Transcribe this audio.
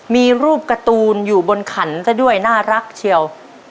มีรูปการ์ตูนอยู่บนขันซะด้วยน่ารักเชียว